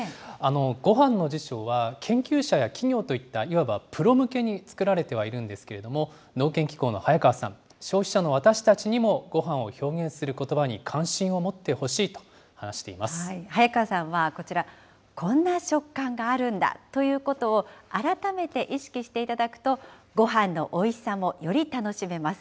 ごはんの辞書は研究者や企業といった、いわばプロ向けに作られてはいるんですけれども、農研機構の早川さん、消費者の私たちにもごはんを表現することばに関心を持って早川さんはこちら、こんな食感があるんだということを改めて意識していただくと、ごはんのおいしさもより楽しめます。